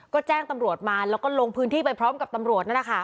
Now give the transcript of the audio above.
ก็แจ้งตำรวจมาแล้วก็ลงพื้นที่ไปพร้อมกับตำรวจนั่นแหละค่ะ